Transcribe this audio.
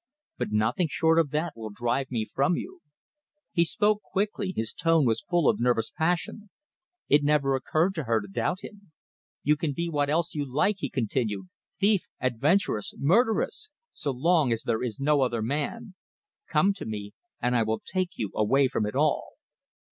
But nothing short of that will drive me from you." He spoke quickly, his tone was full of nervous passion. It never occurred to her to doubt him. "You can be what else you like," he continued, "thief, adventuress murderess! So long as there is no other man! Come to me and I will take you away from it all."